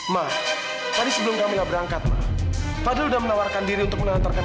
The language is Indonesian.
mah tadi sebelum berangkat padahal udah menawarkan diri untuk mengantarkan